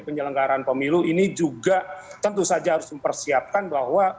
penyelenggaraan pemilu ini juga tentu saja harus mempersiapkan bahwa